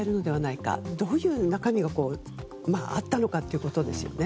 中身にどういうものがあったのかということですよね。